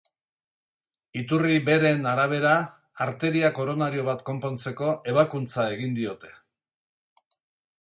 Iturri beren arabera, arteria koronario bat konpontzeko ebakuntza egin diote.